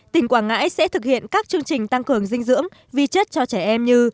tỉnh quảng ngãi sẽ thực hiện các chương trình tăng cường dinh dưỡng vi chất cho trẻ em như